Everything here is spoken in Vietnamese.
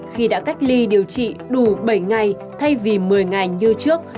khi đã cách ly điều trị đủ bảy ngày thay vì một mươi ngày như trước